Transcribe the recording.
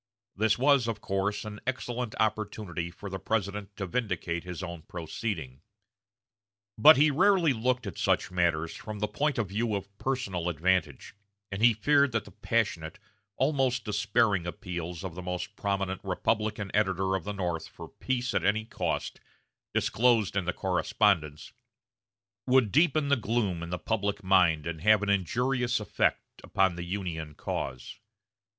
This was, of course, an excellent opportunity for the President to vindicate his own proceeding. But he rarely looked at such matters from the point of view of personal advantage, and he feared that the passionate, almost despairing appeals of the most prominent Republican editor of the North for peace at any cost, disclosed in the correspondence, would deepen the gloom in the public mind and have an injurious effect upon the Union cause.